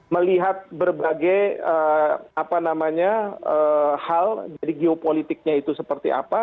melihat berbagai hal jadi geopolitiknya itu seperti apa